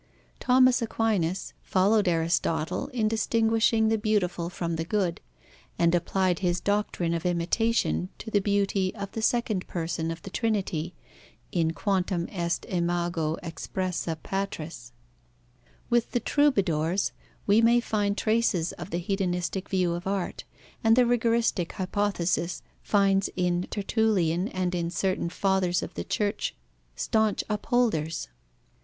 Thomas Aquinas followed Aristotle in distinguishing the beautiful from the good, and applied his doctrine of imitation to the beauty of the second person of the Trinity (in quantum est imago expressa Patris). With the troubadours, we may find traces of the hedonistic view of art, and the rigoristic hypothesis finds in Tertullian and in certain Fathers of the Church staunch upholders.